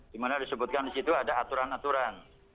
dimana disebutkan disitu ada aturan aturan